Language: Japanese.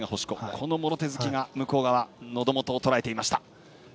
このもろ手突きがのど元をとらえていました。